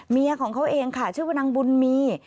เมียของเขาเองค่ะชื่อว่านางบุญมี